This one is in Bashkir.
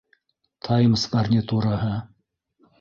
Таймс гарнитураһы.